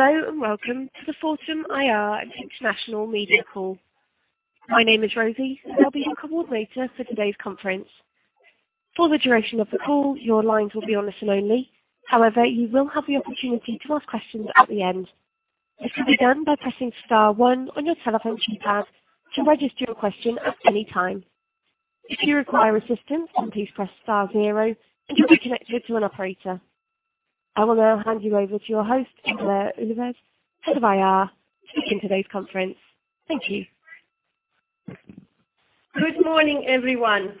Hello, welcome to the Fortum IR International Media call. My name is Rosie, and I'll be your coordinator for today's conference. For the duration of the call, your lines will be on listen only. However, you will have the opportunity to ask questions at the end. This can be done by pressing star one on your telephone keypad to register your question at any time. If you require assistance, please press star zero, and you'll be connected to an operator. I will now hand you over to your host, Ingela Ulfves, Head of IR, to begin today's conference. Thank you. Good morning, everyone.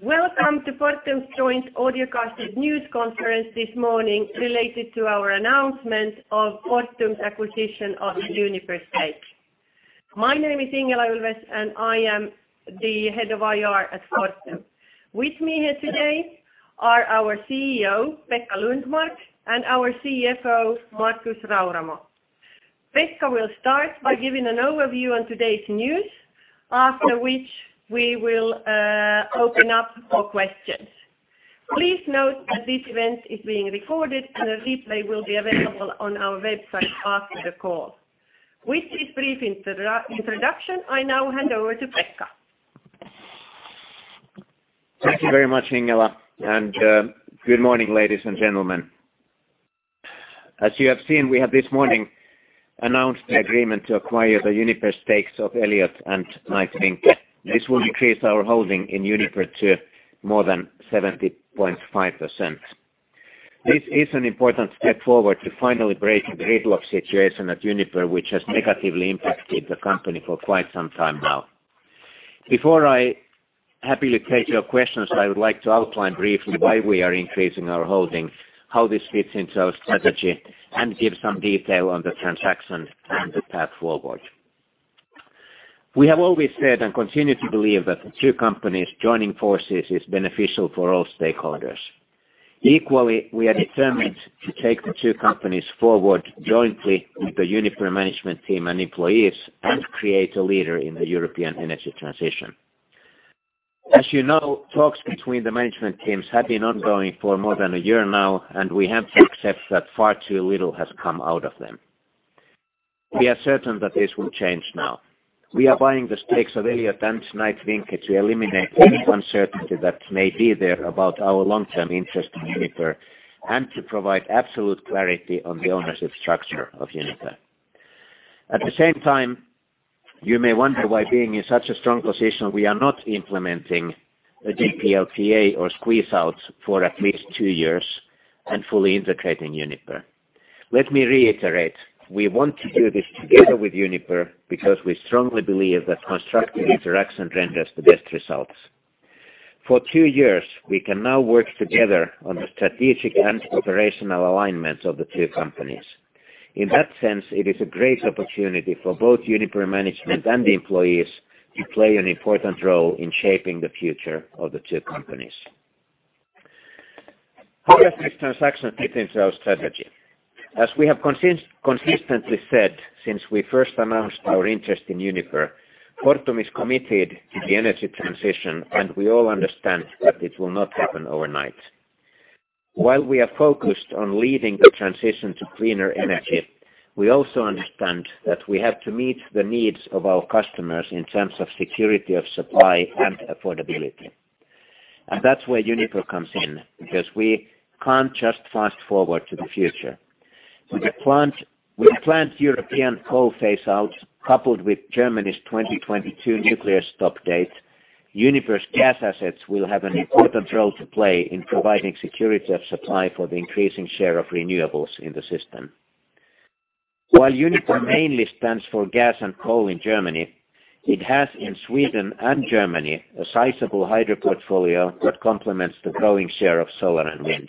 Welcome to Fortum's joint audio-casted news conference this morning related to our announcement of Fortum's acquisition of Uniper stake. My name is Ingela Ulfves, and I am the head of IR at Fortum. With me here today are our CEO, Pekka Lundmark, and our CFO, Markus Rauramo. Pekka will start by giving an overview on today's news, after which we will open up for questions. Please note that this event is being recorded, and a replay will be available on our website after the call. With this brief introduction, I now hand over to Pekka. Thank you very much, Ingela. Good morning, ladies and gentlemen. As you have seen, we have this morning announced the agreement to acquire the Uniper stakes of Elliott and Knight Vinke. This will increase our holding in Uniper to more than 70.5%. This is an important step forward to finally break the gridlock situation at Uniper, which has negatively impacted the company for quite some time now. Before I happily take your questions, I would like to outline briefly why we are increasing our holding, how this fits into our strategy, and give some detail on the transaction and the path forward. We have always said, and continue to believe, that the two companies joining forces is beneficial for all stakeholders. Equally, we are determined to take the two companies forward jointly with the Uniper management team and employees and create a leader in the European energy transition. As you know, talks between the management teams have been ongoing for more than a year now. We have to accept that far too little has come out of them. We are certain that this will change now. We are buying the stakes of Elliott and Knight Vinke to eliminate any uncertainty that may be there about our long-term interest in Uniper and to provide absolute clarity on the ownership structure of Uniper. At the same time, you may wonder why being in such a strong position, we are not implementing a DPLTA or squeeze-out for at least two years and fully integrating Uniper. Let me reiterate, we want to do this together with Uniper. We strongly believe that constructive interaction renders the best results. For two years, we can now work together on the strategic and operational alignment of the two companies. In that sense, it is a great opportunity for both Uniper management and the employees to play an important role in shaping the future of the two companies. How does this transaction fit into our strategy? As we have consistently said since we first announced our interest in Uniper, Fortum is committed to the energy transition, we all understand that it will not happen overnight. While we are focused on leading the transition to cleaner energy, we also understand that we have to meet the needs of our customers in terms of security of supply and affordability. That's where Uniper comes in because we can't just fast-forward to the future. With planned European coal phase-outs coupled with Germany's 2022 nuclear stop date, Uniper's gas assets will have an important role to play in providing security of supply for the increasing share of renewables in the system. While Uniper mainly stands for gas and coal in Germany, it has in Sweden and Germany a sizable hydro portfolio that complements the growing share of solar and wind.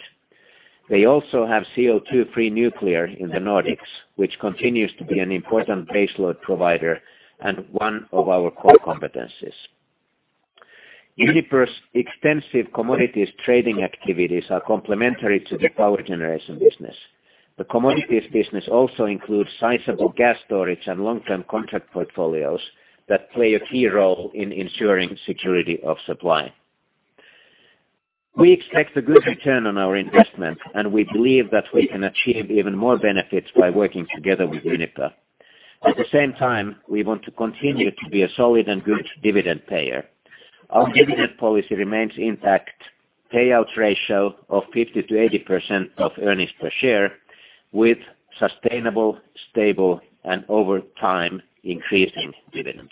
They also have CO2 free nuclear in the Nordics, which continues to be an important base load provider and one of our core competencies. Uniper's extensive commodities trading activities are complementary to the power generation business. The commodities business also includes sizable gas storage and long-term contract portfolios that play a key role in ensuring security of supply. We expect a good return on our investment, and we believe that we can achieve even more benefits by working together with Uniper. At the same time, we want to continue to be a solid and good dividend payer. Our dividend policy remains intact, payout ratio of 50%-80% of earnings per share with sustainable, stable, and over time, increasing dividends.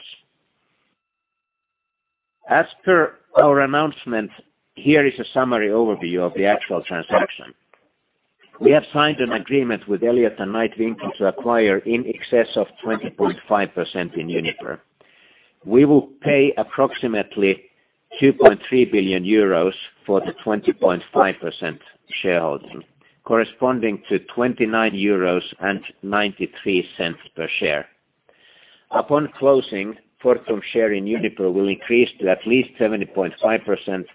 As per our announcement, here is a summary overview of the actual transaction. We have signed an agreement with Elliott and Knight Vinke to acquire in excess of 20.5% in Uniper. We will pay approximately 2.3 billion euros for the 20.5% shareholding, corresponding to 29.93 euros per share. Upon closing, Fortum share in Uniper will increase to at least 70.5%,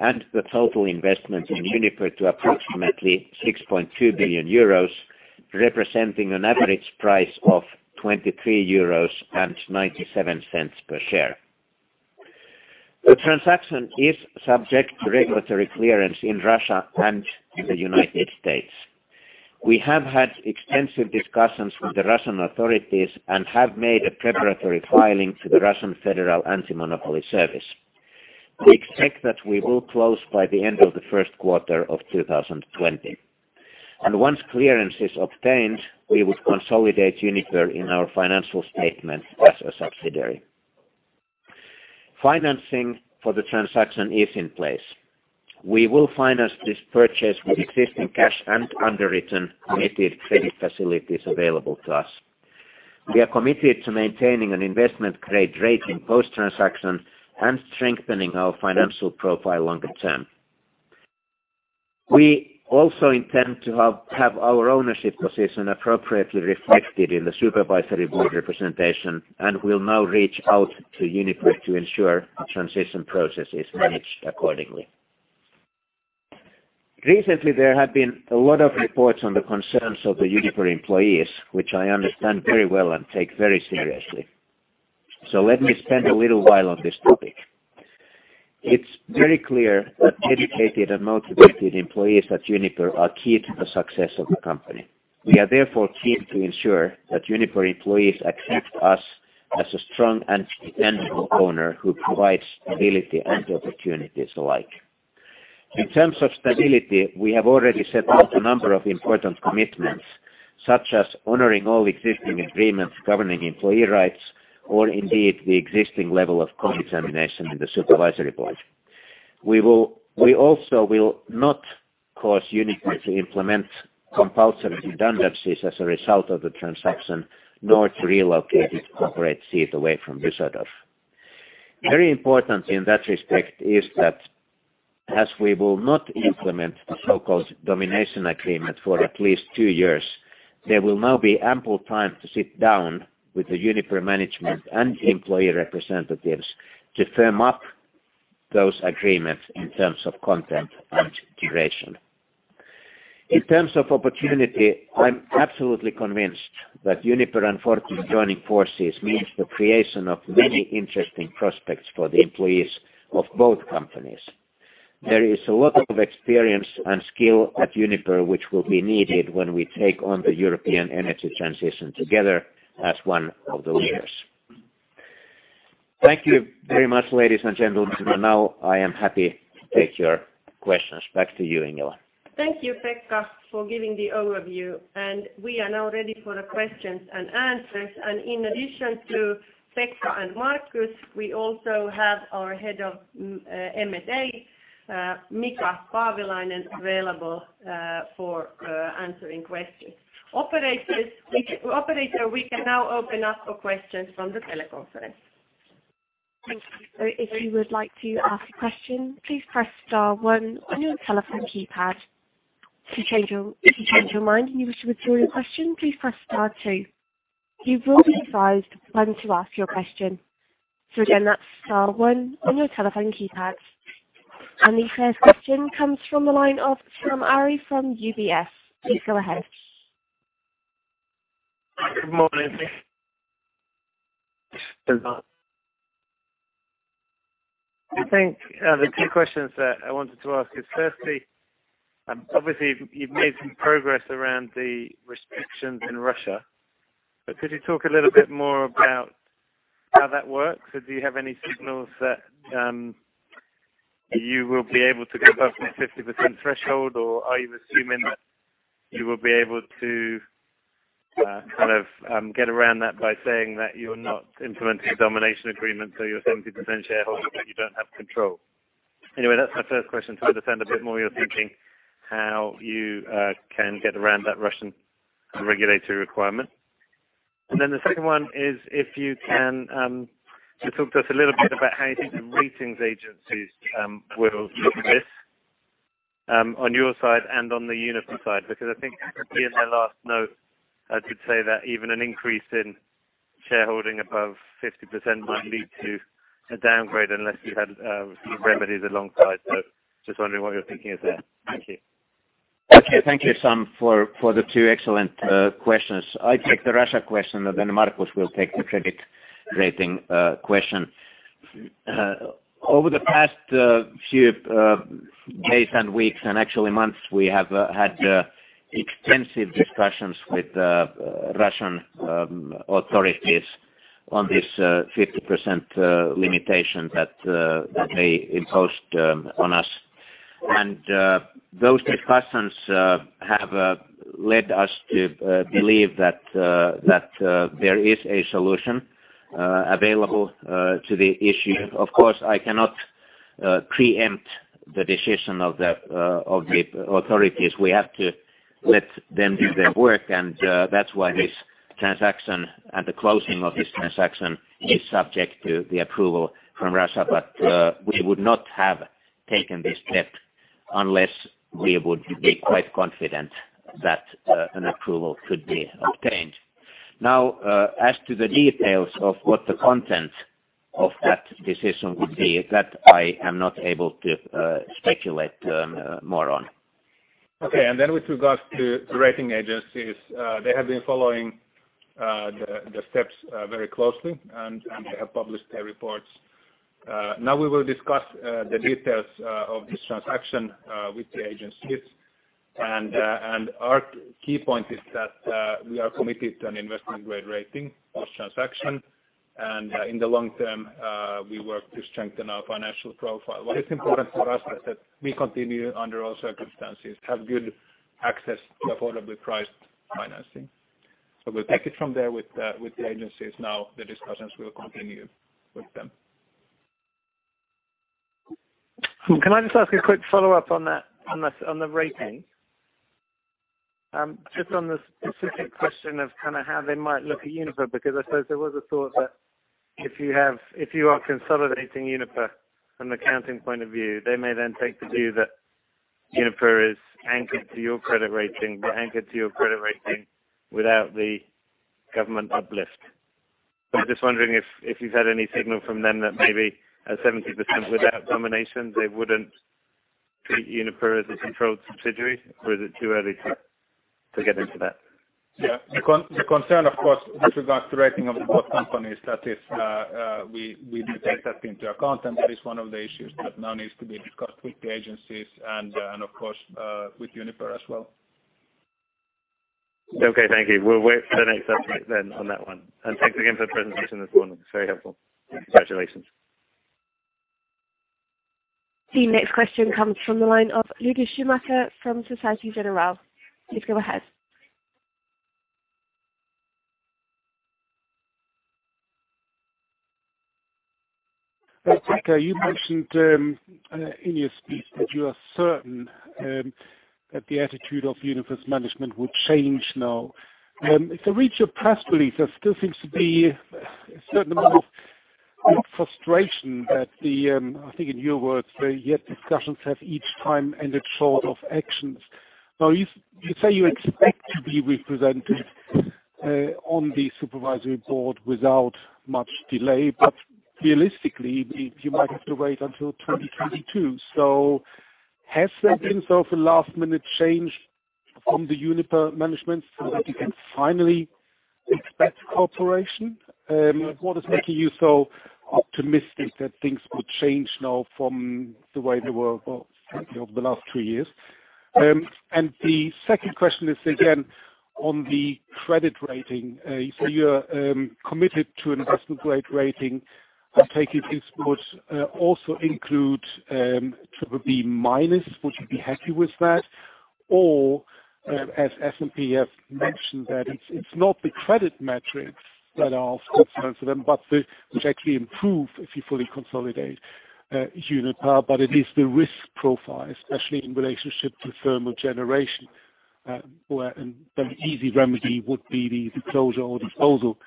and the total investment in Uniper to approximately 6.2 billion euros, representing an average price of 23.97 euros per share. The transaction is subject to regulatory clearance in Russia and in the U.S. We have had extensive discussions with the Russian authorities and have made a preparatory filing to the Russian Federal Antimonopoly Service. We expect that we will close by the end of the first quarter of 2020. Once clearance is obtained, we would consolidate Uniper in our financial statement as a subsidiary. Financing for the transaction is in place. We will finance this purchase with existing cash and underwritten committed credit facilities available to us. We are committed to maintaining an investment-grade rating post-transaction and strengthening our financial profile longer term. We also intend to have our ownership position appropriately reflected in the supervisory board representation and will now reach out to Uniper to ensure the transition process is managed accordingly. Recently, there have been a lot of reports on the concerns of the Uniper employees, which I understand very well and take very seriously. Let me spend a little while on this topic. It's very clear that dedicated and motivated employees at Uniper are key to the success of the company. We are therefore keen to ensure that Uniper employees accept us as a strong and dependable owner who provides stability and opportunities alike. In terms of stability, we have already set out a number of important commitments, such as honoring all existing agreements governing employee rights, or indeed, the existing level of co-determination in the supervisory board. We also will not cause Uniper to implement compulsory redundancies as a result of the transaction, nor to relocate its corporate seat away from Düsseldorf. Very important in that respect is that as we will not implement the so-called domination agreement for at least two years, there will now be ample time to sit down with the Uniper management and employee representatives to firm up those agreements in terms of content and duration. In terms of opportunity, I'm absolutely convinced that Uniper and Fortum joining forces means the creation of many interesting prospects for the employees of both companies. There is a lot of experience and skill at Uniper, which will be needed when we take on the European energy transition together as one of the leaders. Thank you very much, ladies and gentlemen. Now I am happy to take your questions. Back to you, Ingela. Thank you, Pekka, for giving the overview. We are now ready for the questions and answers. In addition to Pekka and Markus, we also have our Head of M&A, Mika Paavilainen, available for answering questions. Operator, we can now open up for questions from the teleconference. Thank you. If you would like to ask a question, please press star one on your telephone keypad. If you change your mind and you wish to withdraw your question, please press star two. You will be advised when to ask your question. Again, that's star one on your telephone keypad. The first question comes from the line of Sam Arie from UBS. Please go ahead. Good morning. I think the two questions that I wanted to ask is, firstly, obviously you've made some progress around the restrictions in Russia. Could you talk a little bit more about how that works? Do you have any signals that you will be able to go above the 50% threshold, or are you assuming that you will be able to kind of get around that by saying that you're not implementing a domination agreement, so you're a 50% shareholder, but you don't have control? Anyway, that's my first question, to understand a bit more your thinking how you can get around that Russian regulatory requirement. The second one is, if you can talk to us a little bit about how you think the ratings agencies will look at this on your side and on the Uniper side, because I think in their last note, I could say that even an increase in shareholding above 50% might lead to a downgrade unless you had a few remedies alongside. Just wondering what your thinking is there. Thank you. Okay. Thank you, Sam, for the two excellent questions. I take the Russia question, and then Markus will take the credit rating question. Over the past few days and weeks, and actually months, we have had extensive discussions with Russian authorities on this 50% limitation that they imposed on us. Those discussions have led us to believe that there is a solution available to the issue. Of course, I cannot preempt the decision of the authorities. We have to let them do their work, and that's why this transaction and the closing of this transaction is subject to the approval from Russia. We would not have taken this step unless we would be quite confident that an approval could be obtained. As to the details of what the content of that decision would be, that I am not able to speculate more on. Okay. With regards to rating agencies, they have been following the steps very closely, and they have published their reports. Now we will discuss the details of this transaction with the agencies. Our key point is that we are committed to an investment-grade rating post-transaction. In the long term, we work to strengthen our financial profile. What is important for us is that we continue, under all circumstances, have good access to affordably priced financing. We'll take it from there with the agencies now. The discussions will continue with them. Can I just ask a quick follow-up on the ratings? Just on the specific question of how they might look at Uniper, because I suppose there was a thought that if you are consolidating Uniper from an accounting point of view, they may then take the view that Uniper is anchored to your credit rating, but anchored to your credit rating without the government uplift. I'm just wondering if you've had any signal from them that maybe at 70% without domination, they wouldn't treat Uniper as a controlled subsidiary, or is it too early to get into that? Yeah. The concern, of course, with regards to rating of both companies, that if we do take that into account, and that is one of the issues that now needs to be discussed with the agencies and of course, with Uniper as well. Okay. Thank you. We'll wait for the next update then on that one. Thanks again for the presentation this morning. It's very helpful. Congratulations. The next question comes from the line of Lueder Schumacher from Societe Generale. Please go ahead. Lueder, you mentioned in your speech that you are certain that the attitude of Uniper's management will change now. If I read your press release, there still seems to be a certain amount of frustration that the, I think in your words, the yet discussions have each time ended short of actions. Now, you say you expect to be represented on the supervisory board without much delay, but realistically, you might have to wait until 2022. Has there been sort of a last-minute change from the Uniper management so that you can finally expect cooperation? What is making you so optimistic that things will change now from the way they were of the last two years? The second question is, again, on the credit rating. You're committed to an investment-grade rating. I take it this would also include BBB-. Would you be happy with that? As S&P have mentioned that it's not the credit metrics that are of concern to them, which actually improve if you fully consolidate Uniper, but it is the risk profile, especially in relationship to thermal generation, where an easy remedy would be the closure or disposal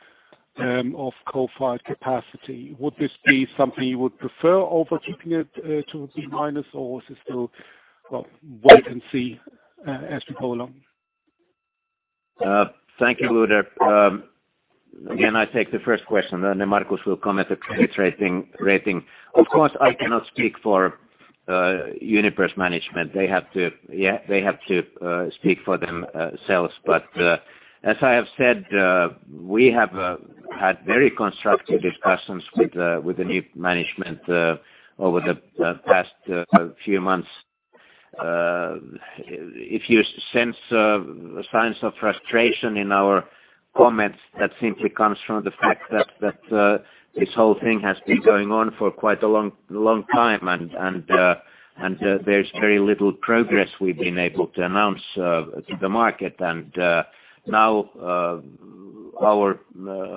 of coal-fired capacity. Would this be something you would prefer over keeping it BBB- or is it still, wait and see as we go along? Thank you, Lueder. Again, I take the first question, then Markus will comment the credit rating. Of course, I cannot speak for Uniper's management. They have to speak for themselves. As I have said, we have had very constructive discussions with the new management over the past few months. If you sense signs of frustration in our comments, that simply comes from the fact that this whole thing has been going on for quite a long time, and there's very little progress we've been able to announce to the market. Now our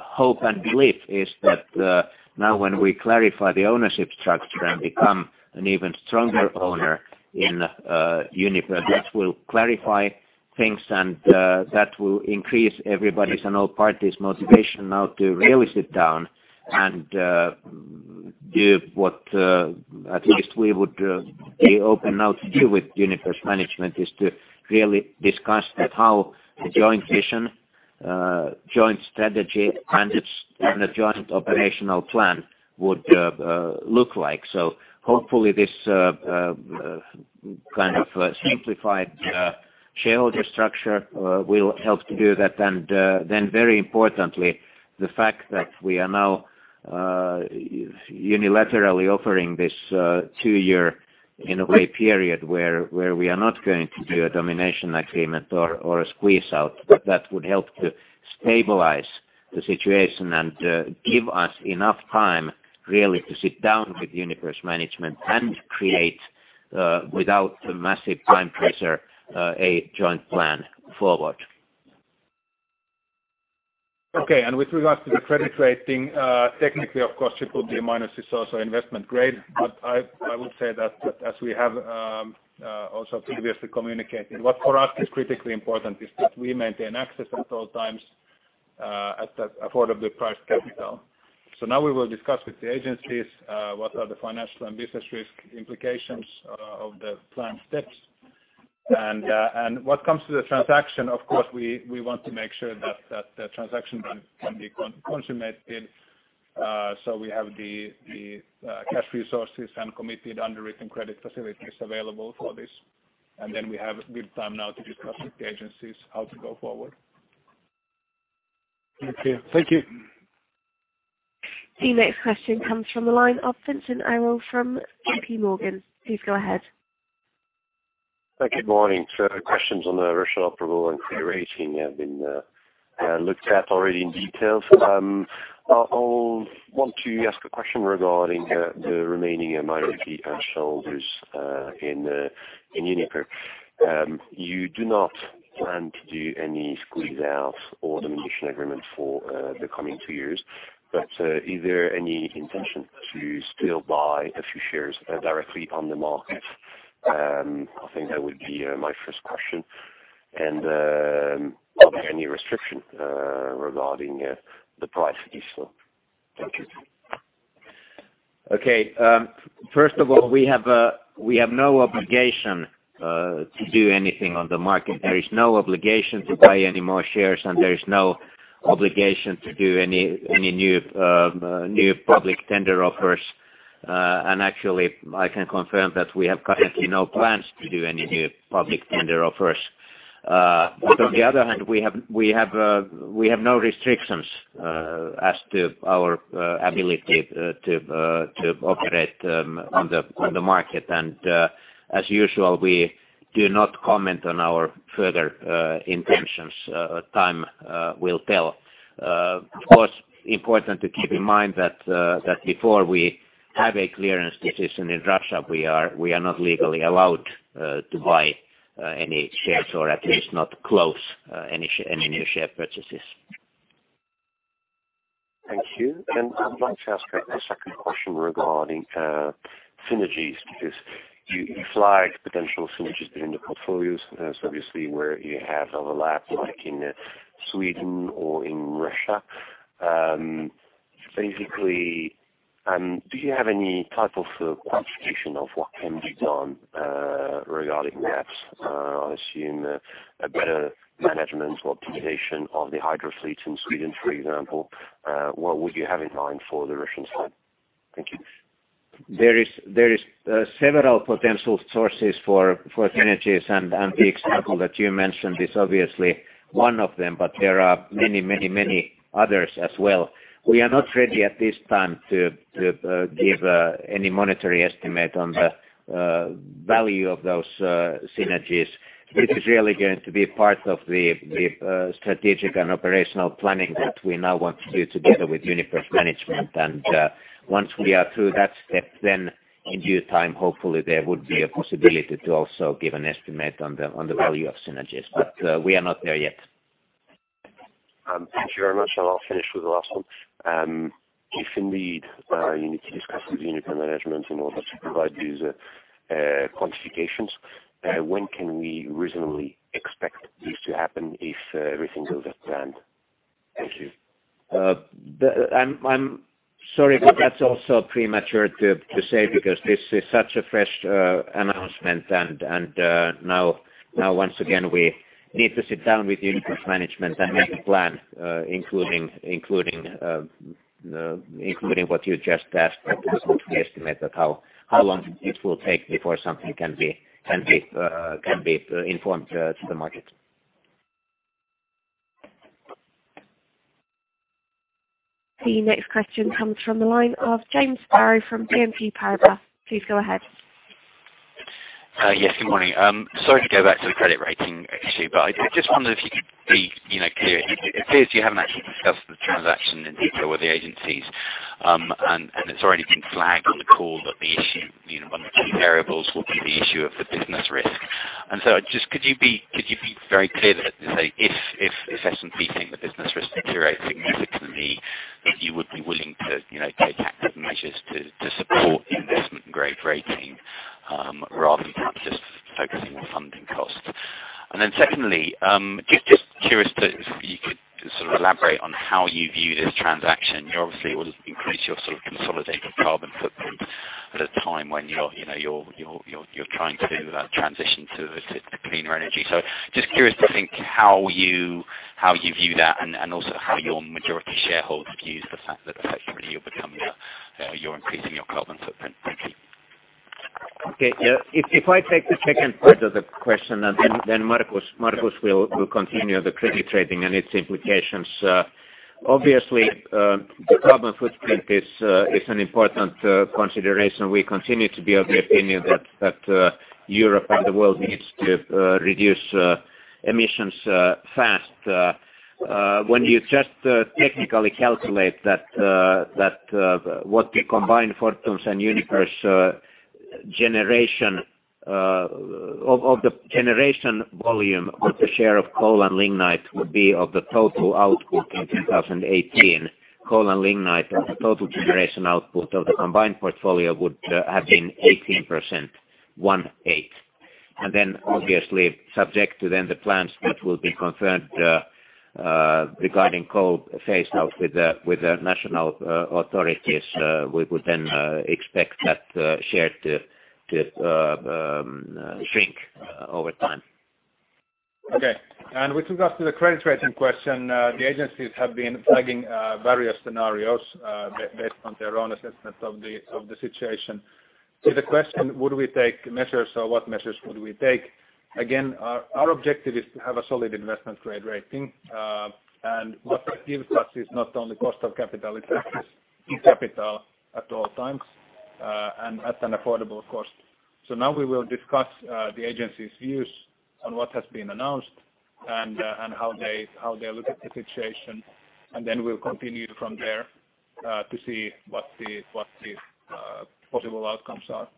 hope and belief is that now when we clarify the ownership structure and become an even stronger owner in Uniper, that will clarify things and that will increase everybody's and all parties' motivation now to really sit down and do what at least we would be open now to do with Uniper's management is to clearly discuss that how a joint vision, a joint strategy, and a joint operational plan would look like. Hopefully, this kind of simplified shareholder structure will help to do that. Then very importantly, the fact that we are now unilaterally offering this two-year, in a way, period where we are not going to do a domination agreement or a squeeze-out. That would help to stabilize the situation and give us enough time really to sit down with Uniper's management and create, without massive time pressure, a joint plan forward. Okay. With regards to the credit rating, technically, of course, BBB- is also investment-grade, but I would say that as we have also previously communicated, what for us is critically important is that we maintain access at all times at that affordably priced capital. Now we will discuss with the agencies what are the financial and business risk implications of the planned steps. What comes to the transaction, of course, we want to make sure that the transaction can be consummated. We have the cash resources and committed underwritten credit facilities available for this. We have good time now to discuss with the agencies how to go forward. Thank you. The next question comes from the line of Vincent Arrol from JP Morgan. Please go ahead. Good morning. The questions on the Russian approval and credit rating have been looked at already in detail. I'll want to ask a question regarding the remaining minority and shareholders in Uniper. You do not plan to do any squeeze-out or domination agreement for the coming two years, but is there any intention to still buy a few shares directly on the market? I think that would be my first question. Are there any restriction regarding the price, if so? Thank you. Okay. First of all, we have no obligation to do anything on the market. There is no obligation to buy any more shares, and there is no obligation to do any new public tender offers. Actually, I can confirm that we have currently no plans to do any new public tender offers. On the other hand, we have no restrictions as to our ability to operate on the market. As usual, we do not comment on our further intentions. Time will tell. Of course, important to keep in mind that before we have a clearance decision in Russia, we are not legally allowed to buy any shares or at least not close any new share purchases. Thank you. I'd like to ask a second question regarding synergies, because you flagged potential synergies between the portfolios. That's obviously where you have overlap, like in Sweden or in Russia. Do you have any type of quantification of what can be done regarding that? I'll assume a better management optimization of the hydro fleets in Sweden, for example. What would you have in mind for the Russian side? Thank you. There are several potential sources for synergies, and the example that you mentioned is obviously one of them, but there are many others as well. We are not ready at this time to give any monetary estimate on the value of those synergies. This is really going to be a part of the strategic and operational planning that we now want to do together with Uniper's management. Once we are through that step, then in due time, hopefully there would be a possibility to also give an estimate on the value of synergies. We are not there yet. Thank you very much. I'll finish with the last one. If indeed you need to discuss with Uniper management in order to provide these quantifications, when can we reasonably expect this to happen if everything goes as planned? Thank you. I'm sorry, but that's also premature to say because this is such a fresh announcement and now once again, we need to sit down with Uniper's management and make a plan including what you just asked to estimate that how long it will take before something can be informed to the market. The next question comes from the line of James Barrow from BNP Paribas. Please go ahead. Yes, good morning. Sorry to go back to the credit rating issue, I just wondered if you could be clear. It appears you haven't actually discussed the transaction in detail with the agencies. It's already been flagged on the call that the issue, one of the key variables will be the issue of the business risk. Just could you be very clear that, say, if S&P think the business risk deteriorates significantly, that you would be willing to take active measures to support the investment grade rating, rather than perhaps just focusing on funding costs? Secondly, just curious if you could sort of elaborate on how you view this transaction. You obviously will increase your sort of consolidated carbon footprint at a time when you're trying to transition to cleaner energy. Just curious to think how you view that and also how your majority shareholders view the fact that effectively you're increasing your carbon footprint. Thank you. Okay. If I take the second part of the question, Markus will continue the credit rating and its implications. Obviously, the carbon footprint is an important consideration. We continue to be of the opinion that Europe and the world needs to reduce emissions fast. When you just technically calculate that what the combined Fortum's and Uniper's generation volume of the share of coal and lignite would be of the total output in 2018. Coal and lignite of the total generation output of the combined portfolio would have been 18%. Obviously subject to then the plans that will be confirmed regarding coal phase out with the national authorities, we would then expect that share to shrink over time. Okay. With regards to the credit rating question, the agencies have been flagging various scenarios based on their own assessment of the situation. To the question, would we take measures or what measures would we take? Our objective is to have a solid investment-grade rating, and what that gives us is not only cost of capital, it gives us new capital at all times and at an affordable cost. Now we will discuss the agency's views on what has been announced and how they look at the situation, and then we'll continue from there to see what the possible outcomes are.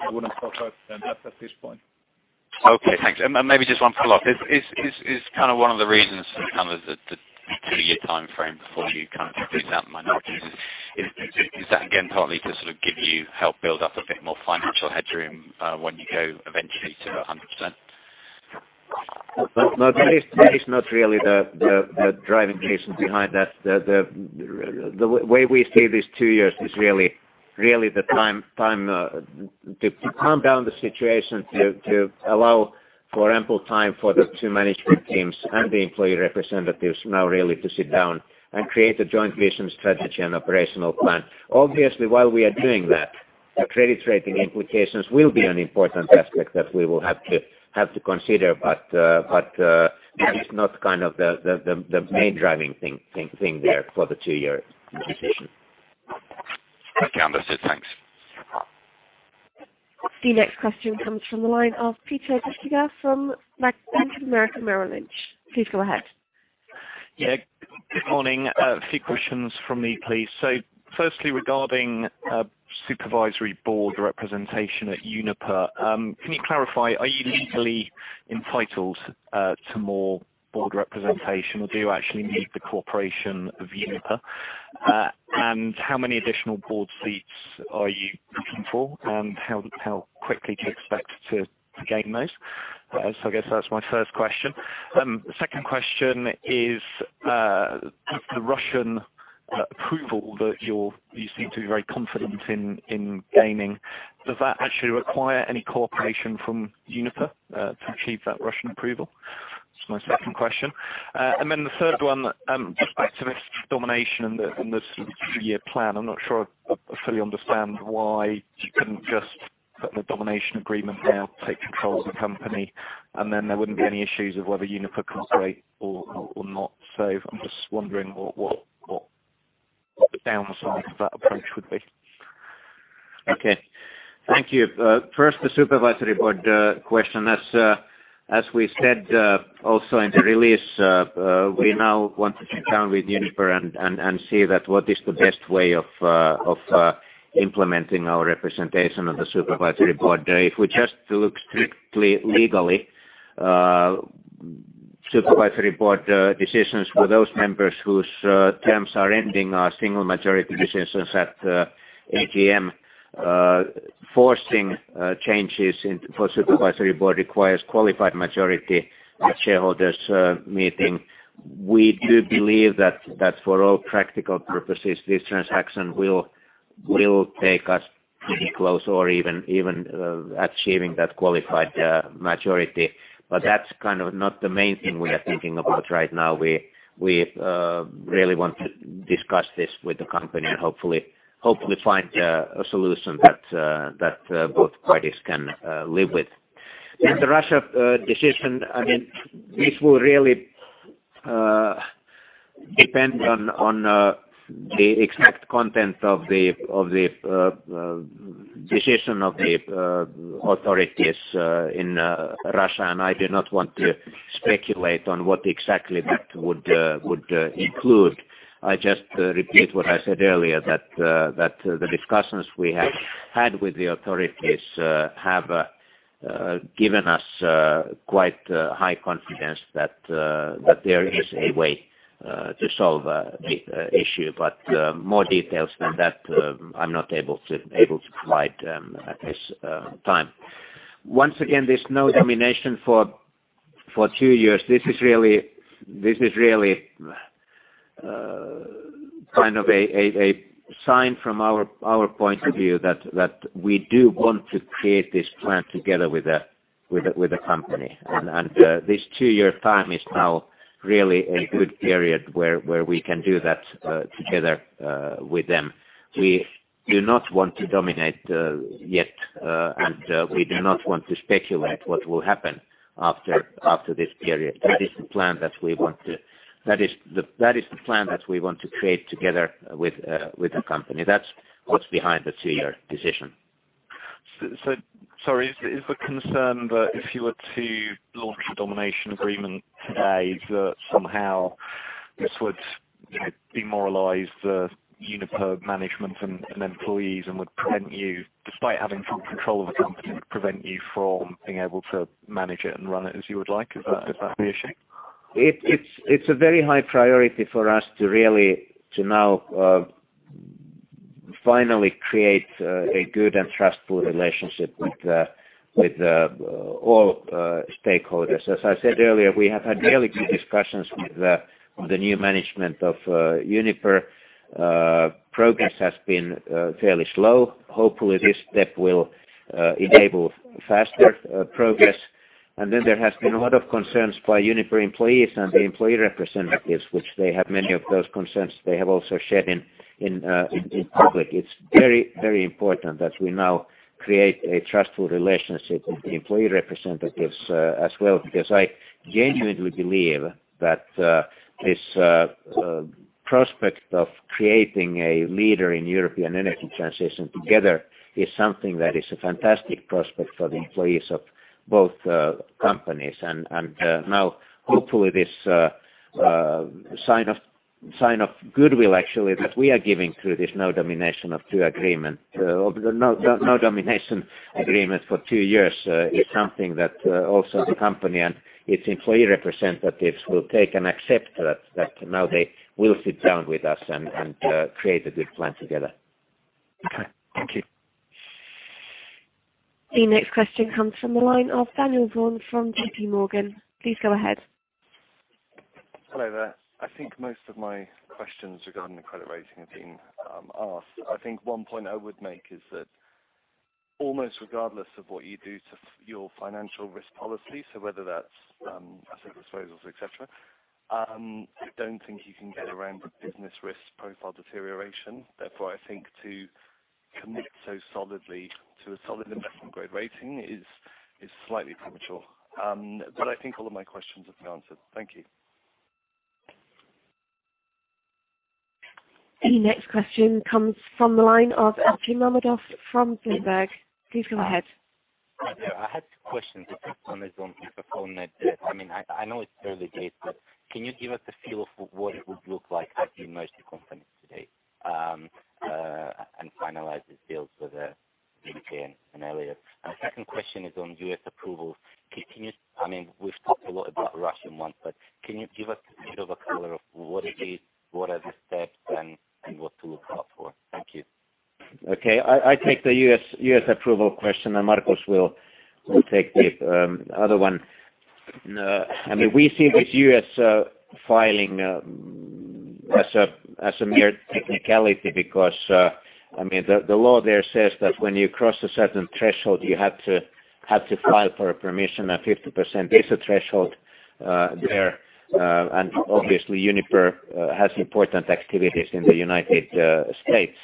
I wouldn't focus on that at this point. Okay, thanks. Maybe just one follow-up. Is one of the reasons the two-year timeframe before you kind of phase out minorities, is that again partly to sort of give you help build up a bit more financial headroom when you go eventually to 100%? That is not really the driving reason behind that. The way we see these two years is really the time to calm down the situation to allow for ample time for the two management teams and the employee representatives now really to sit down and create a joint vision strategy and operational plan. Obviously, while we are doing that, the credit rating implications will be an important aspect that we will have to consider. That is not kind of the main driving thing there for the two-year decision. Understood. Thanks. The next question comes from the line of Peter Bisztyga from Bank of America Merrill Lynch. Please go ahead. Good morning. A few questions from me, please. Firstly, regarding supervisory board representation at Uniper, can you clarify, are you legally entitled to more board representation or do you actually need the cooperation of Uniper? How many additional board seats are you looking for, and how quickly to expect to gain those? I guess that's my first question. Second question is the Russian approval that you seem to be very confident in gaining, does that actually require any cooperation from Uniper to achieve that Russian approval? That's my second question. The third one, just back to this domination and the two-year plan. I'm not sure I fully understand why you couldn't just put the domination agreement down, take control of the company, and then there wouldn't be any issues of whether Uniper consents or not. I'm just wondering what the downside of that approach would be? Okay. Thank you. First, the supervisory board question. As we said also in the release, we now want to sit down with Uniper and see what is the best way of implementing our representation on the supervisory board. If we just look strictly legally, supervisory board decisions for those members whose terms are ending are single majority decisions at AGM. Forcing changes for supervisory board requires qualified majority at shareholders meeting. We do believe that for all practical purposes, this transaction will take us pretty close or even achieving that qualified majority. That's kind of not the main thing we are thinking about right now. We really want to discuss this with the company and hopefully find a solution that both parties can live with. The Russia decision, this will really depend on the exact content of the decision of the authorities in Russia, and I do not want to speculate on what exactly that would include. I just repeat what I said earlier, that the discussions we have had with the authorities have given us quite high confidence that there is a way to solve the issue. More details than that, I'm not able to provide at this time. Once again, there's no domination for two years. This is really kind of a sign from our point of view that we do want to create this plan together with the company. This two-year time is now really a good period where we can do that together with them. We do not want to dominate yet, and we do not want to speculate what will happen after this period. That is the plan that we want to create together with the company. That's what's behind the two-year decision. Sorry, is the concern that if you were to launch a domination agreement today that somehow this would demoralize the Uniper management and employees and would prevent you, despite having full control of the company, prevent you from being able to manage it and run it as you would like? Is that the issue? It's a very high priority for us to now finally create a good and trustful relationship with all stakeholders. As I said earlier, we have had really good discussions with the new management of Uniper. Progress has been fairly slow. Hopefully this step will enable faster progress. There has been a lot of concerns by Uniper employees and the employee representatives, which many of those concerns they have also shared in public. It's very important that we now create a trustful relationship with the employee representatives as well, because I genuinely believe that this prospect of creating a leader in European energy transition together is something that is a fantastic prospect for the employees of both companies. Now hopefully this sign of goodwill actually that we are giving through this no domination agreement for two years is something that also the company and its employee representatives will take and accept that now they will sit down with us and create a good plan together. Okay. Thank you. The next question comes from the line of Daniel Vaughan from JP Morgan. Please go ahead. Hello there. I think most of my questions regarding the credit rating have been asked. I think one point I would make is that almost regardless of what you do to your financial risk policy, so whether that's asset disposals, et cetera, I don't think you can get around the business risk profile deterioration. Therefore, I think to commit so solidly to a solid investment-grade rating is slightly premature. I think all of my questions have been answered. Thank you. The next question comes from the line of Aki Mercados from Bloomberg. Please go ahead. I had two questions. The first one is on FFO net debt. I know it's early days, can you give us a feel of what it would look like had you merged the companies today, and finalized the deals with U.K. and Enea? The second question is on U.S. approval. We've talked a lot about the Russian one, can you give us a bit of a color of what it is, what are the steps, and what to look out for? Thank you. Okay. I take the U.S. approval question, and Markus will take the other one. We see this U.S. filing as a mere technicality because the law there says that when you cross a certain threshold, you have to file for permission, and 50% is the threshold there. Obviously Uniper has important activities in the United States.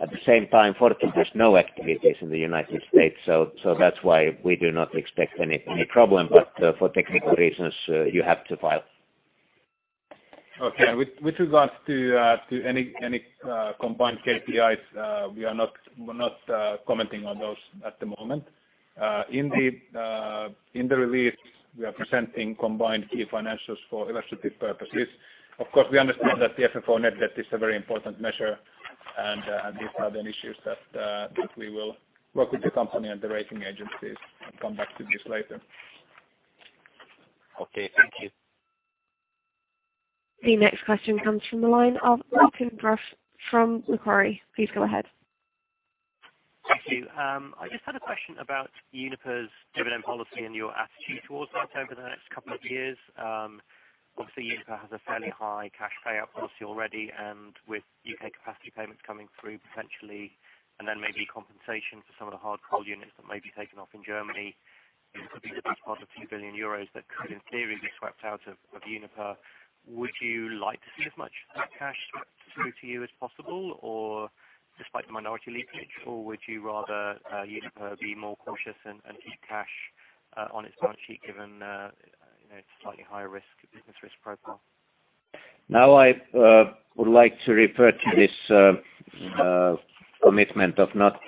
At the same time, Fortum has no activities in the United States, so that's why we do not expect any problem, but for technical reasons, you have to file. Okay. With regards to any combined KPIs, we are not commenting on those at the moment. In the release, we are presenting combined key financials for illustrative purposes. Of course, we understand that the FFO net debt is a very important measure and these are the issues that we will work with the company and the rating agencies and come back to this later. Okay. Thank you. The next question comes from the line of Duncan Brush from Macquarie. Please go ahead. Thank you. I just had a question about Uniper's dividend policy and your attitude towards that over the next couple of years. Obviously, Uniper has a fairly high cash payout policy already, and with U.K. capacity payments coming through potentially, and then maybe compensation for some of the hard coal units that may be taken off in Germany, this could be the best part of a few billion euros that could, in theory, be swept out of Uniper. Would you like to see as much of that cash swept through to you as possible, or despite the minority leakage, or would you rather Uniper be more cautious and keep cash on its balance sheet given its slightly higher risk business risk profile? Now I would like to refer to this commitment of not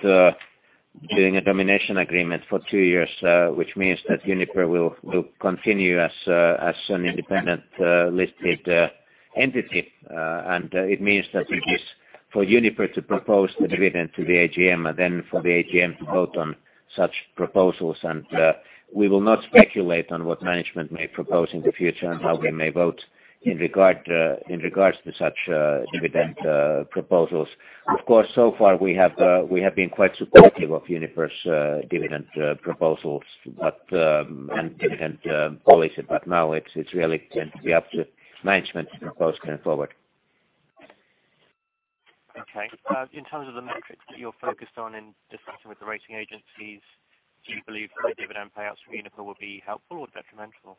doing a domination agreement for two years, which means that Uniper will continue as an independent listed entity. It means that it is for Uniper to propose the dividend to the AGM, and then for the AGM to vote on such proposals. We will not speculate on what management may propose in the future and how we may vote in regards to such dividend proposals. Of course, so far we have been quite supportive of Uniper's dividend proposals and dividend policy, but now it's really going to be up to management to propose going forward. In terms of the metrics that you're focused on in discussion with the rating agencies, do you believe the dividend payouts from Uniper will be helpful or detrimental?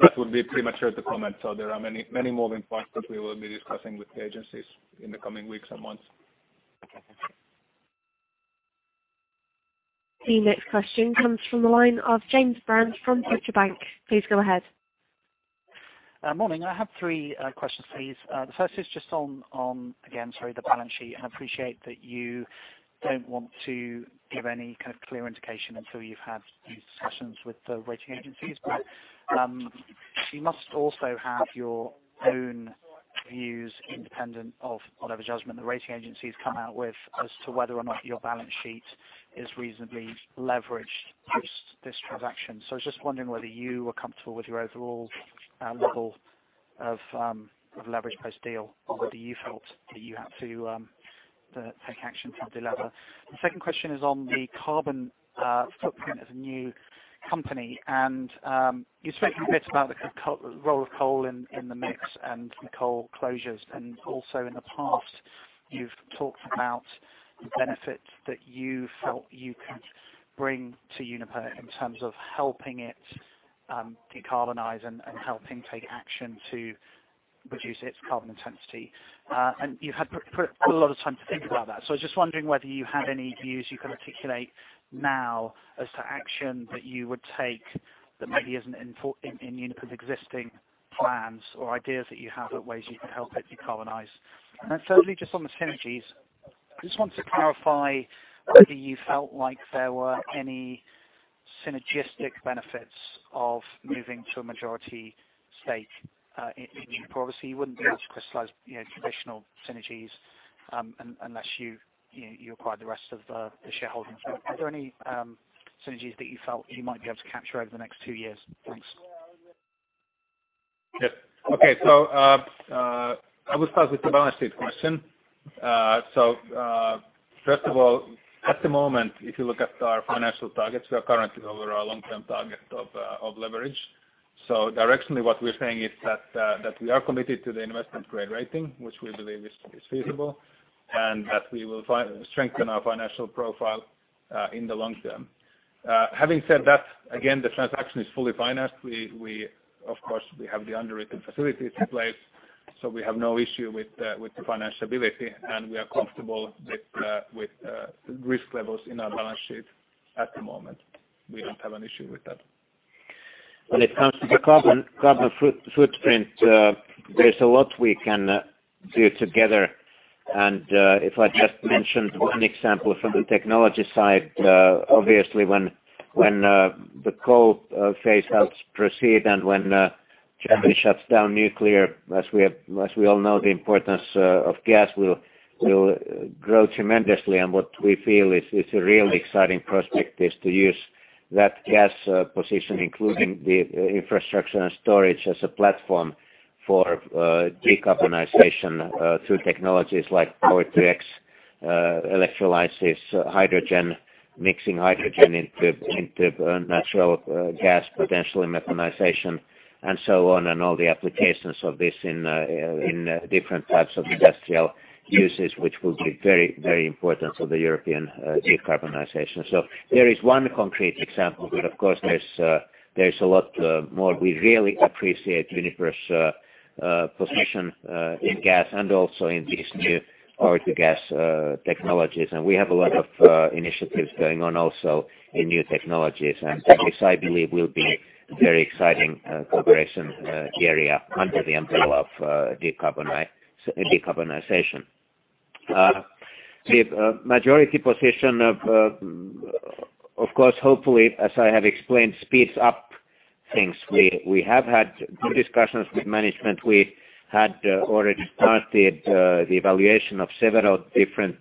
That would be premature to comment. There are many moving parts that we will be discussing with the agencies in the coming weeks and months. Okay. The next question comes from the line of James Brand from Deutsche Bank. Please go ahead. Morning. I have three questions, please. The first is just on, again, sorry, the balance sheet. I appreciate that you don't want to give any kind of clear indication until you've had these discussions with the rating agencies. You must also have your own views, independent of whatever judgment the rating agencies come out with, as to whether or not your balance sheet is reasonably leveraged post this transaction. I was just wondering whether you were comfortable with your overall level of leverage post-deal, or whether you felt that you have to take action to delever. The second question is on the carbon footprint as a new company. You've spoken a bit about the role of coal in the mix and the coal closures, and also in the past, you've talked about the benefits that you felt you could bring to Uniper in terms of helping it decarbonize and helping take action to reduce its carbon intensity. You've had quite a lot of time to think about that. Just wondering whether you had any views you can articulate now as to action that you would take that maybe isn't in Uniper's existing plans or ideas that you have of ways you can help it decarbonize. Thirdly, just on the synergies, I just want to clarify whether you felt like there were any synergistic benefits of moving to a majority stake in Uniper. Obviously, you wouldn't be able to crystallize traditional synergies unless you acquired the rest of the shareholding. Are there any synergies that you felt you might be able to capture over the next two years? Thanks. Yes. Okay. I will start with the balance sheet question. First of all, at the moment, if you look at our financial targets, we are currently over our long-term target of leverage. Directionally, what we're saying is that we are committed to the investment-grade rating, which we believe is feasible, and that we will strengthen our financial profile in the long term. Having said that, again, the transaction is fully financed. Of course, we have the underwritten facilities in place, so we have no issue with the financial ability, and we are comfortable with risk levels in our balance sheet at the moment. We don't have an issue with that. When it comes to the carbon footprint, there's a lot we can do together. If I just mentioned one example from the technology side, obviously when the coal phase outs proceed and when Germany shuts down nuclear, as we all know, the importance of gas will grow tremendously. What we feel is a really exciting prospect is to use that gas position, including the infrastructure and storage as a platform for decarbonization through technologies like Power-to-X, electrolysis, hydrogen, mixing hydrogen into natural gas, potentially methanation, and so on, and all the applications of this in different types of industrial uses, which will be very important for the European decarbonization. There is one concrete example, but of course, there is a lot more. We really appreciate Uniper's position in gas and also in these new power to gas technologies. We have a lot of initiatives going on also in new technologies, and that is, I believe, will be very exciting cooperation area under the umbrella of decarbonization. The majority position, of course, hopefully, as I have explained, speeds up things. We have had good discussions with management. We had already started the evaluation of several different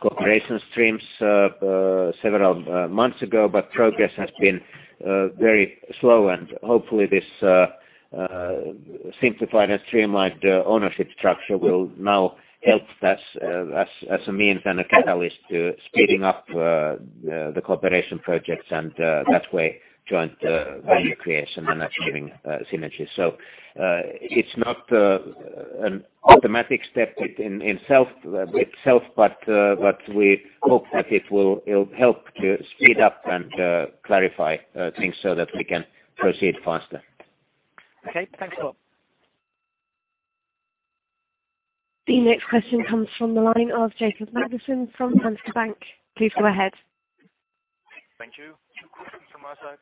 cooperation streams several months ago, but progress has been very slow, and hopefully this simplified and streamlined ownership structure will now help us as a means and a catalyst to speeding up the cooperation projects, and that way, joint value creation and achieving synergies. It's not an automatic step itself, but we hope that it will help to speed up and clarify things so that we can proceed faster. Okay. Thanks a lot. The next question comes from the line of Jacob Mathiesen from Danske Bank. Please go ahead. Thank you. Two questions from my side.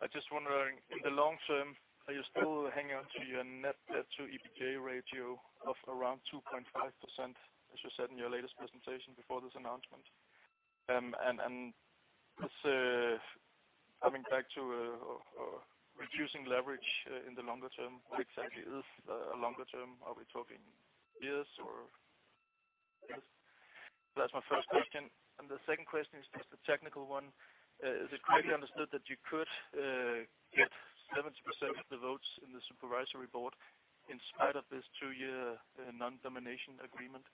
I just wondering, in the long term, are you still hanging on to your net debt to EBITDA ratio of around 2.5%, as you said in your latest presentation before this announcement? Coming back to reducing leverage in the longer term, what exactly is a longer term? Are we talking years or That's my first question. The second question is just a technical one. Is it correctly understood that you could get 70% of the votes in the supervisory board in spite of this two-year non-domination agreement?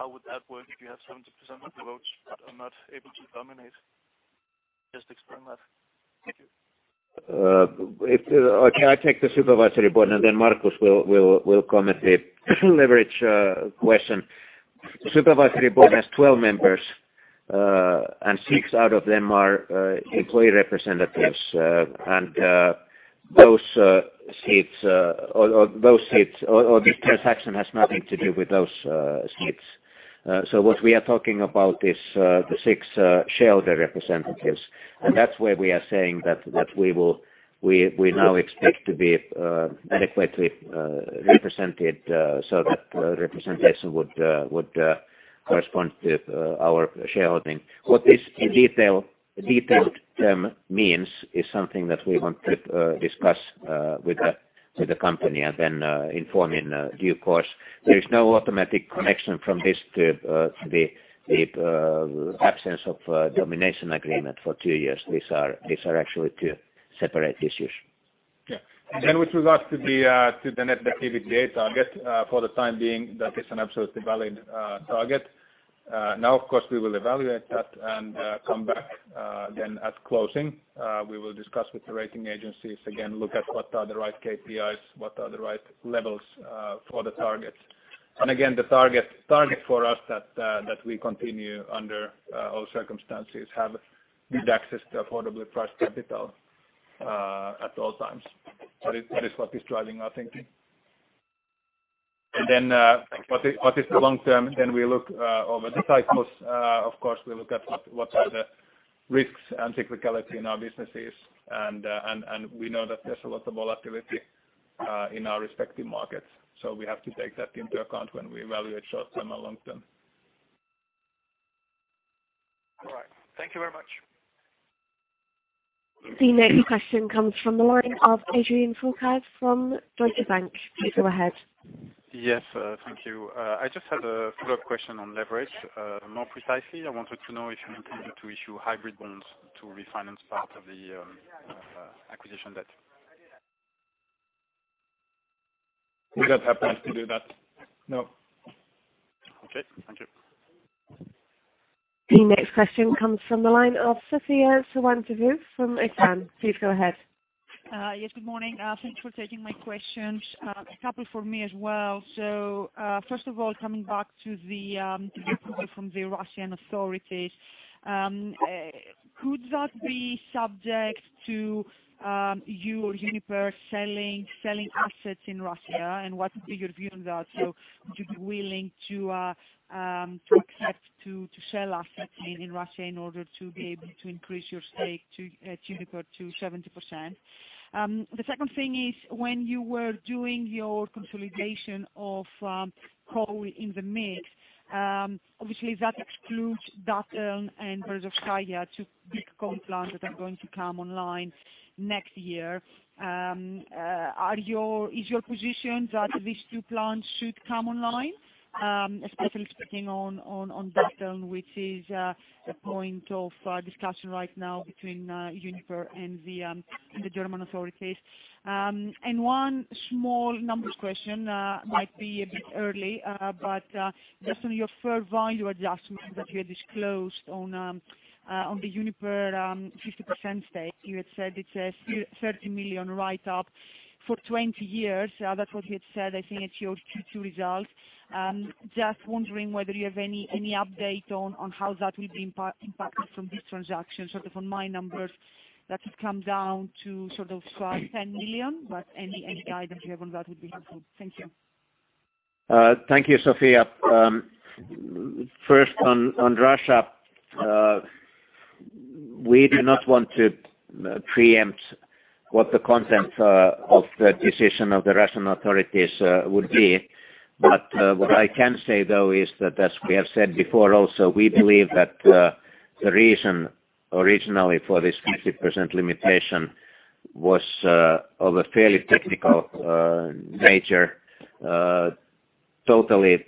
How would that work if you have 70% of the votes but are not able to dominate? Just exploring that. Thank you. I take the supervisory board, and then Markus will comment the leverage question. Supervisory board has 12 members, six out of them are employee representatives. Those seats or this transaction has nothing to do with those seats. What we are talking about is the six shareholder representatives, and that's where we are saying that we now expect to be adequately represented so that representation would correspond to our shareholding. What this detailed term means is something that we want to discuss with the company and then inform in due course. There is no automatic connection from this to the absence of domination agreement for two years. These are actually two separate issues. Yeah. With regards to the net debt EBITDA target, for the time being, that is an absolutely valid target. Of course, we will evaluate that and come back then at closing. We will discuss with the rating agencies again, look at what are the right KPIs, what are the right levels for the targets. Again, the target for us that we continue under all circumstances, have good access to affordably priced capital at all times. That is what is driving our thinking. What is the long term, we look over the cycles. Of course, we look at what are the risks and cyclicality in our businesses, and we know that there's a lot of volatility in our respective markets. We have to take that into account when we evaluate short-term and long-term. All right. Thank you very much. The next question comes from the line of Adrien Forget from Deutsche Bank. Please go ahead. Yes. Thank you. I just had a follow-up question on leverage. More precisely, I wanted to know if you intended to issue hybrid bonds to refinance part of the acquisition debt. We don't have plans to do that, no. Okay. Thank you. The next question comes from the line of Sophia Sarantopoulou from Exane. Please go ahead. Yes, good morning. Thanks for taking my questions. A couple for me as well. First of all, coming back to the approval from the Russian authorities, could that be subject to you or Uniper selling assets in Russia, and what is your view on that? Would you be willing to accept to sell assets in Russia in order to be able to increase your stake to Uniper to 70%? The second thing is, when you were doing your consolidation of coal in the mix, obviously that excludes Datteln and Berezovskaya, two big coal plants that are going to come online next year. Is your position that these two plants should come online? Especially speaking on Datteln, which is a point of discussion right now between Uniper and the German authorities. One small numbers question, might be a bit early, but just on your fair value adjustment that you had disclosed on the Uniper 50% stake. You had said it's a 30 million write-up for 20 years. That's what you had said. I think it's your Q2 results. Just wondering whether you have any update on how that will be impacted from this transaction, sort of on my numbers that it comes down to sort of 10 million, but any guidance you have on that would be helpful. Thank you. Thank you, Sophia. First on Russia, we do not want to preempt what the content of the decision of the Russian authorities would be. What I can say though is that as we have said before also, we believe that the reason originally for this 50% limitation was of a fairly technical nature, totally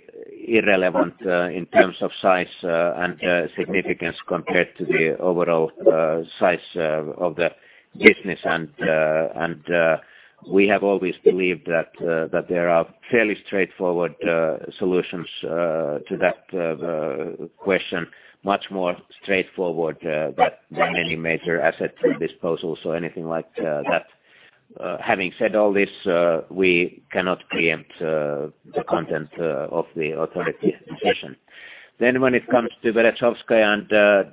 irrelevant in terms of size and significance compared to the overall size of the business. We have always believed that there are fairly straightforward solutions to that question, much more straightforward than any major asset disposals or anything like that. Having said all this, we cannot preempt the content of the authority decision. When it comes to Berezovskaya and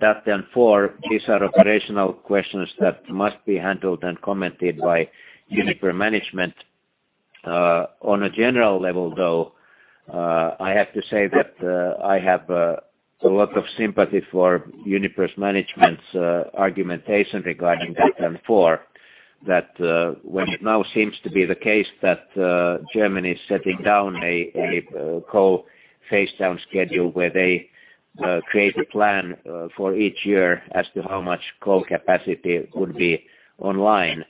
Datteln 4, these are operational questions that must be handled and commented by Uniper management. On a general level, though, I have to say that I have a lot of sympathy for Uniper's management's argumentation regarding Datteln 4, that when it now seems to be the case that Germany is setting down a coal phase down schedule where they create a plan for each year as to how much coal capacity would be online.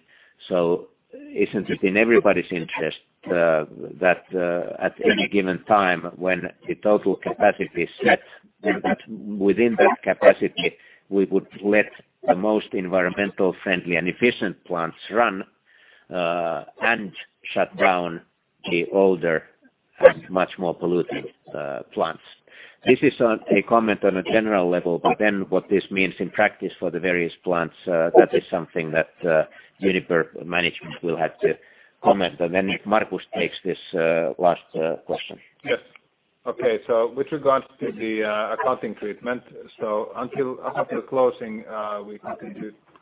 It's just in everybody's interest that at any given time when the total capacity is set, that within that capacity, we would let the most environmental friendly and efficient plants run, and shut down the older and much more polluting plants. This is a comment on a general level, what this means in practice for the various plants, that is something that Uniper management will have to comment on. Markus takes this last question. Yes. Okay. With regards to the accounting treatment, after closing, we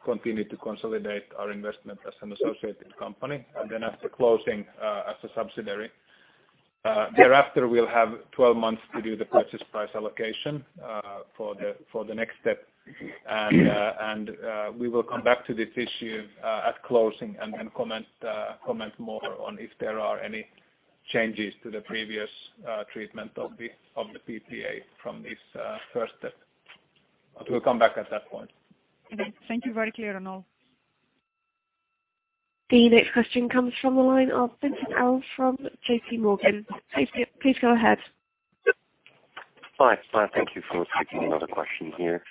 continue to consolidate our investment as an associated company, and then after closing, as a subsidiary. Thereafter, we'll have 12 months to do the purchase price allocation for the next step. We will come back to this issue at closing and then comment more on if there are any changes to the previous treatment of the PPA from this first step. We'll come back at that point. Okay. Thank you. Very clear on all. The next question comes from the line of Vincent Arrol from JP Morgan. Please go ahead. Hi. Thank you for taking another question here.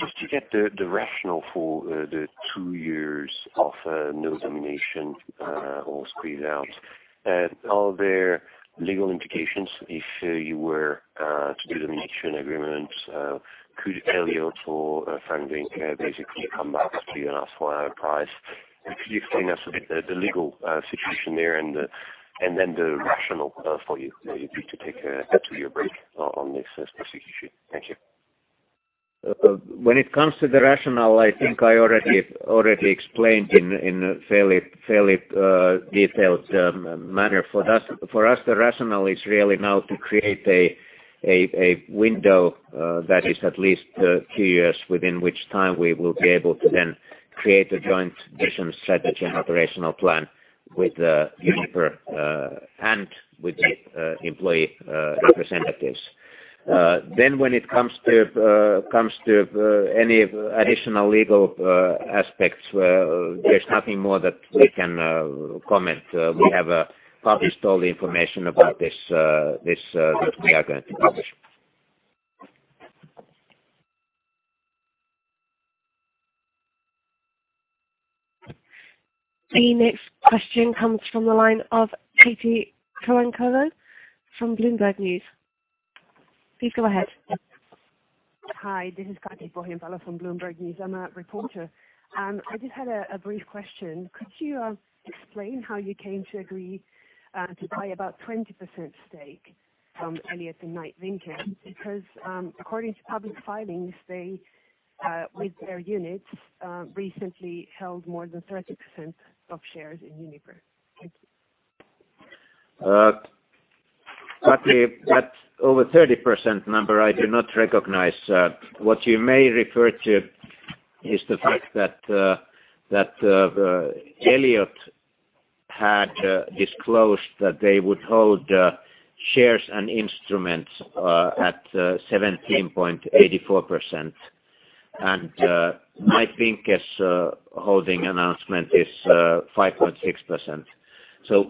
Just to get the rationale for the two years of no domination or squeeze-out, are there legal implications if you were to do domination agreement? Could Elliott or Vinke basically come back to you and ask for a higher price? Could you explain us a bit the legal situation there and then the rationale for you maybe to take a two-year break on this specific issue? Thank you. When it comes to the rationale, I think I already explained in a fairly detailed manner. For us, the rationale is really now to create a window that is at least two years within which time we will be able to then create a joint vision, strategy, and operational plan with Uniper and with the employee representatives. When it comes to any additional legal aspects, there's nothing more that we can comment. We have published all the information about this that we are going to publish. The next question comes from the line of Kati Pohjanpalo from Bloomberg News. Please go ahead. Hi, this is Kati Pohjanpalo from Bloomberg News. I'm a reporter. I just had a brief question. Could you explain how you came to agree to buy about 20% stake from Elliott and Knight Vinke? According to public filings, they, with their units, recently held more than 30% of shares in Uniper. Thank you. Kati, that over 30% number I do not recognize. What you may refer to is the fact that Elliott had disclosed that they would hold shares and instruments at 17.84%. Knight Vinke's holding announcement is 5.6%.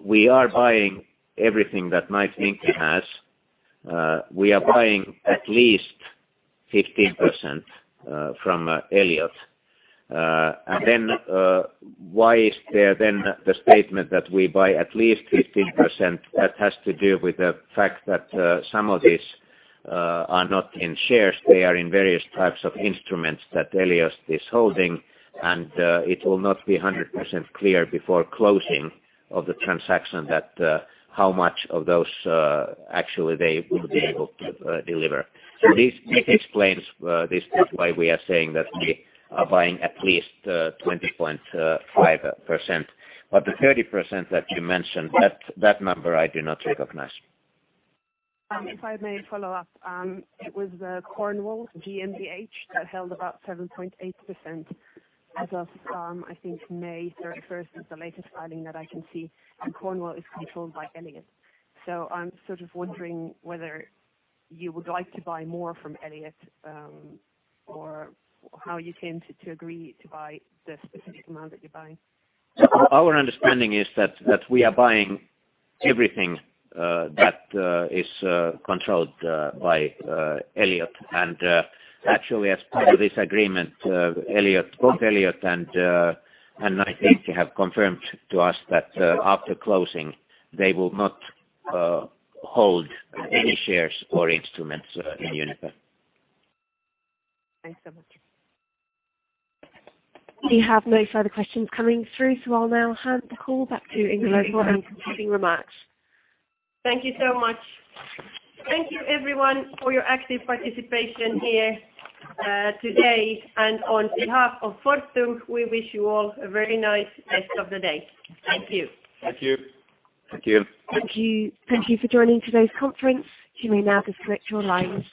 We are buying everything that Knight Vinke has. We are buying at least 15% from Elliott. Why is there then the statement that we buy at least 15% that has to do with the fact that some of these are not in shares, they are in various types of instruments that Elliott is holding, and it will not be 100% clear before closing of the transaction that how much of those actually they will be able to deliver. This explains why we are saying that we are buying at least 20.5%. The 30% that you mentioned, that number I do not recognize. If I may follow up, it was Cornwall GmbH that held about 7.8% as of, I think May 31st is the latest filing that I can see, and Cornwall is controlled by Elliott. I'm sort of wondering whether you would like to buy more from Elliott or how you came to agree to buy the specific amount that you're buying. Our understanding is that we are buying everything that is controlled by Elliott. Actually, as part of this agreement, both Elliott and Knight Vinke have confirmed to us that after closing, they will not hold any shares or instruments in Uniper. Thanks so much. We have no further questions coming through. I'll now hand the call back to Ingela to close with her concluding remarks. Thank you so much. Thank you everyone for your active participation here today. On behalf of Fortum, we wish you all a very nice rest of the day. Thank you. Thank you. Thank you. Thank you for joining today's conference. You may now disconnect your lines.